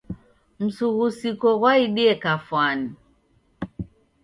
Msughusiko ghwaidie kafwani.